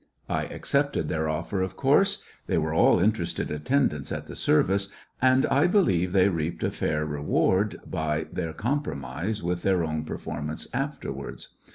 I accepted their offer, of course. They were all interested attendants at the service, and I believe they reaped a fair reward by their compromise from their own performance afterwards.